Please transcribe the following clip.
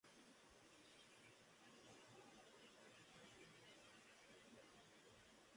Químicamente es un complejo sulfuro-arseniuro de talio, anhidro.